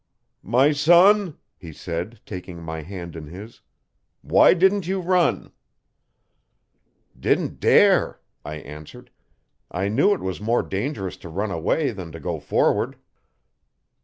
'My son,' he said, taking my hand in his, 'why didn't you run?' 'Didn't dare,' I answered. 'I knew it was more dangerous to run away than to go forward.'